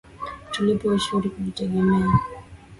Tulipe ushuru tujitegemee